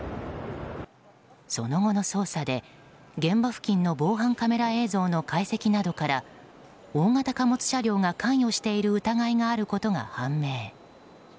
その後の捜査で現場付近の防犯カメラ映像の解析などから大型貨物車両が関与している疑いがあることが判明。